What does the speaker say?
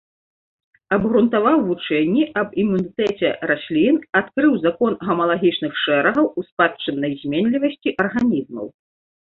Абгрунтаваў вучэнне аб імунітэце раслін, адкрыў закон гамалагічных шэрагаў у спадчыннай зменлівасці арганізмаў.